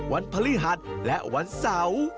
พฤหัสและวันเสาร์